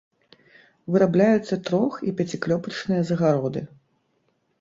Вырабляюцца трох- і пяціклёпачныя загароды.